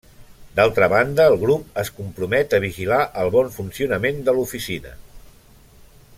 D'altra banda el Grup es compromet a vigilar el bon funcionament de l'Oficina.